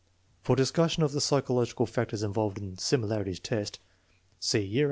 For discussion of the psychological factors involved in the similarities test, see VIII, 4.